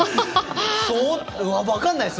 分かんないです。